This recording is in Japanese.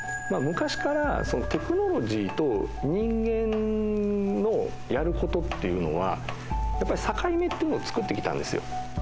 まあ昔からそのテクノロジーと人間のやることっていうのはやっぱり境目っていうのをつくってきたんですよ。